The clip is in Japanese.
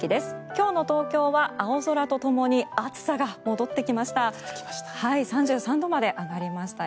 今日の東京は青空と共に暑さが戻ってきました。